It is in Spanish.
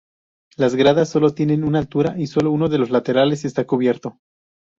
Las gradas solo tienen una altura y solo uno de los laterales está cubierto.